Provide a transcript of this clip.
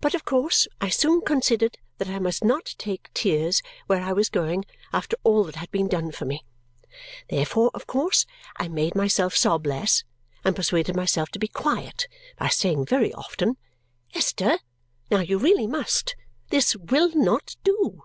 But of course I soon considered that I must not take tears where I was going after all that had been done for me. Therefore, of course, I made myself sob less and persuaded myself to be quiet by saying very often, "Esther, now you really must! This WILL NOT do!"